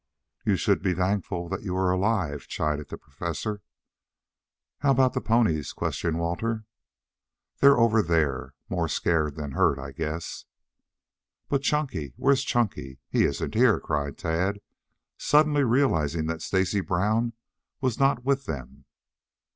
"You should be thankful that you are alive," chided the Professor. "How about the ponies?" questioned Walter. "They're over there. More scared than hurt, I guess." "But Chunky where's Chunky? He isn't here!" cried Tad, suddenly realizing that Stacy Brown was not with them.